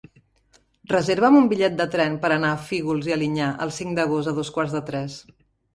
Reserva'm un bitllet de tren per anar a Fígols i Alinyà el cinc d'agost a dos quarts de tres.